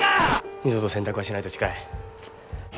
二度と洗濯はしないと誓え。